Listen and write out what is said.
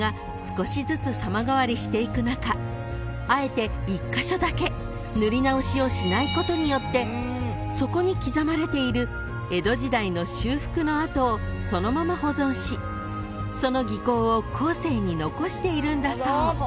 ［あえて１カ所だけ塗り直しをしないことによってそこに刻まれている江戸時代の修復の跡をそのまま保存しその技巧を後世に残しているんだそう］